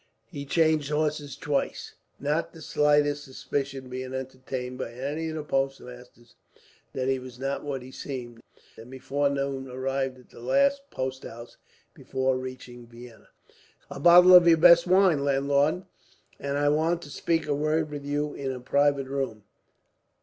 He changed horses twice, not the slightest suspicion being entertained by any of the postmasters that he was not what he seemed; and, before noon, arrived at the last post house before reaching Vienna. "A bottle of your best wine, landlord, and I want to speak a word with you in a private room.